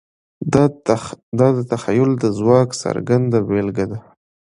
دا د تخیل د ځواک څرګنده بېلګه ده.